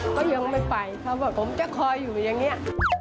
ก็ยังไม่ไปเขาบอกผมจะคอยอยู่อย่างนี้